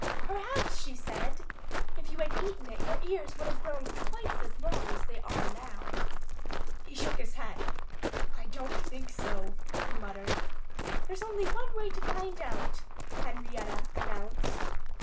"Perhaps," she said, "if you had eaten it your ears would have grown twice as long as they are now." He shook his head. "I don't think so," he muttered. "There's only one way to find out," Henrietta announced.